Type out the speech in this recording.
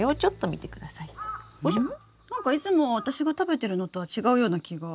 なんかいつも私が食べてるのとは違うような気が。